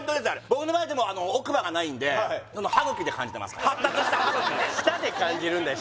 僕の場合でも奥歯がないんで歯茎で感じてますから発達した歯茎で舌で感じるんだよ